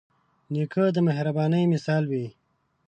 نیکه د مهربانۍ مثال وي.